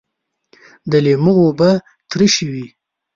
د لیمو اوبه ترشی وي